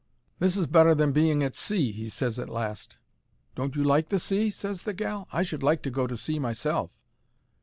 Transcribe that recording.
"This is better than being at sea," he ses at last. "Don't you like the sea?" ses the gal. "I should like to go to sea myself."